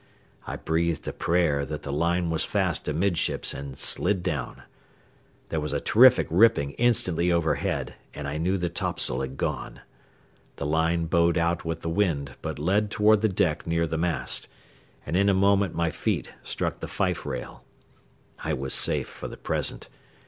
I breathed a prayer that the line was fast amidships and slid down. There was a terrific ripping instantly overhead, and I knew the topsail had gone. The line bowed out with the wind, but led toward the deck near the mast, and in a moment my feet struck the fife rail. I was safe for the present.